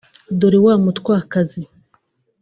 dore wa mutwakazi